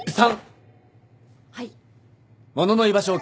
はい。